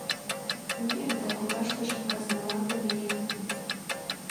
Ньык да коваштыжым казналан намиен пу.